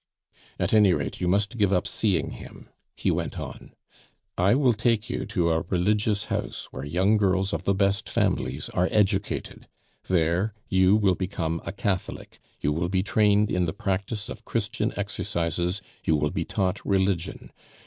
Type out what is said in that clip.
"At any rate, you must give up seeing him," he went on. "I will take you to a religious house where young girls of the best families are educated; there you will become a Catholic, you will be trained in the practice of Christian exercises, you will be taught religion.